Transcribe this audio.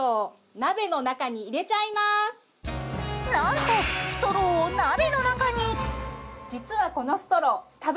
なんとストローを鍋の中に。